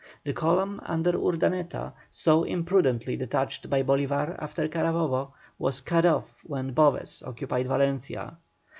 The column under Urdaneta, so imprudently detached by Bolívar after Carabobo, was cut off when Boves occupied Valencia.